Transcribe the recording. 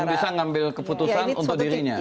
belum bisa mengambil keputusan untuk dirinya